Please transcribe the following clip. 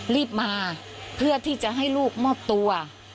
รีบมาเพื่อที่จะให้ลูกมอบตัว